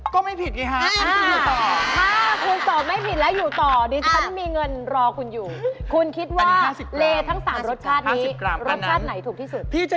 ก็ไม่ผิดไงฮะถ้าคุณตอบไม่ผิดแล้วอยู่ต่อดิฉันมีเงินรอคุณอยู่คุณคิดว่าเลทั้ง๓รสชาตินี้รสชาติไหนถูกที่สุด